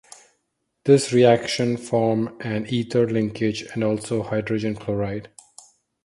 This reaction form an ether linkage and also hydrogen chloride.